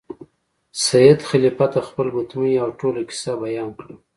سید خلیفه ته خپله ګوتمۍ او ټوله کیسه بیان کړه.